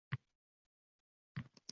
Ustozning o‘zi oshxona tomonga ovoz berdi